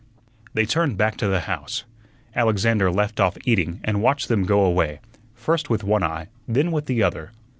They turned back to the house. Alexander left off eating and watched them go away, first with one eye, then with the other.